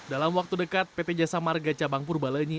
dalam waktu dekat pt jasa marga cabang purbalenyi